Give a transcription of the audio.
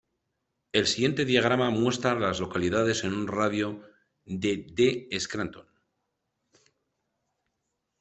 El siguiente diagrama muestra a las localidades en un radio de de Scranton.